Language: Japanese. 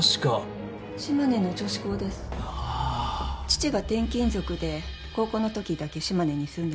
父が転勤族で高校のときだけ島根に住んでました。